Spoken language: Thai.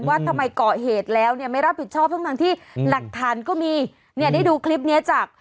ว่าทำไมก่อเหตุแล้วเนี่ยไม่รับผิดชอบทั้งที่หลักฐานก็มีเนี่ยได้ดูคลิปเนี้ยจาก